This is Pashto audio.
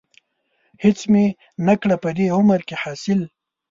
هېڅ مې نه کړه په دې عمر کې حاصل.